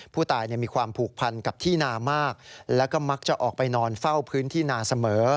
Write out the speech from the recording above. ผู้ตายมีความผูกพันกับที่นามากแล้วก็มักจะออกไปนอนเฝ้าพื้นที่นาเสมอ